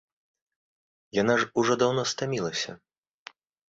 Яна ж ужо даўно стамілася.